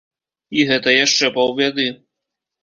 І гэта яшчэ паўбяды.